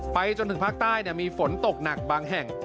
จนถึงภาคใต้มีฝนตกหนักบางแห่ง